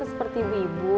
masa seperti ibu ibu